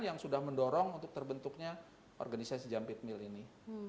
yang sudah mendorong untuk terbentuknya organisasi jump it mill ini